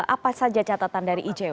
apa saja catatan dari icw